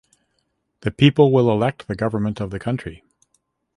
The people will elect the government of the country.